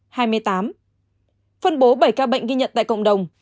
phân bố bảy ca bệnh ghi nhận tại cộng đồng